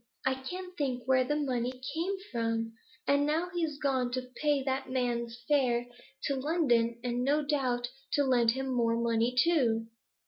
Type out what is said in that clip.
I can't think where the money came from! And now he's gone to pay that man's fare to London, and no doubt to lend him more money too.'